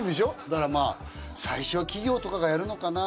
だからまあ最初は企業とかがやるのかな。